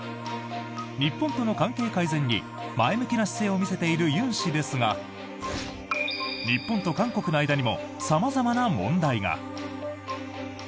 日本との関係改善に前向きな姿勢を見せている尹氏ですが日本と韓国の間にも様々な問題が。